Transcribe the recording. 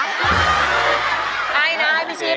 นายนะไอ้พี่ชีม